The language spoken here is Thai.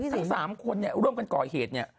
ทั้ง๓คนเนี่ยร่วมกันก่อเหตุเนี่ย